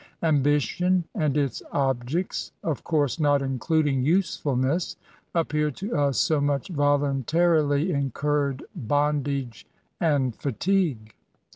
Ambition and its objects (of course, not including usefulness) appear to us so much voluntarily incurred bondage and fatigue.